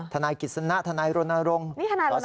ทนายกิจสนะทนายรณรงค์